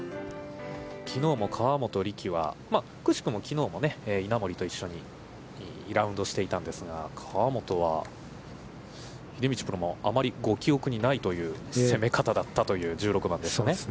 きのうは河本力はくしくも、きのうも稲森と一緒にラウンドをしていたんですが、河本は、秀道プロもあまり記憶にないという攻め方だったという１６番ですね。